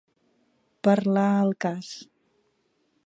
Parlar al cas.